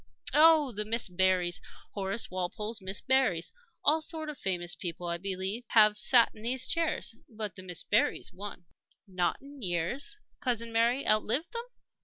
Oh, the Miss Berrys! Horace Walpole's Miss Berrys. All sorts of famous people, I believe, have sat in these chairs. But the Miss Berrys won." "Not in years? Cousin Mary outlived them."